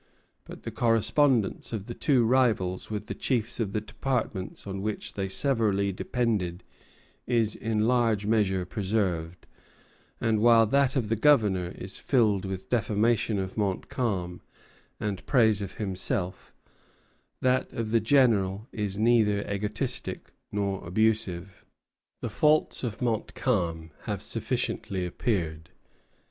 But the correspondence of the two rivals with the chiefs of the departments on which they severally depended is in large measure preserved; and while that of the Governor is filled with defamation of Montcalm and praise of himself, that of the General is neither egotistic nor abusive. The faults of Montcalm have sufficiently appeared.